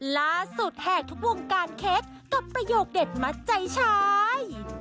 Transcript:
แหกทุกวงการเค้กกับประโยคเด็ดมัดใจชาย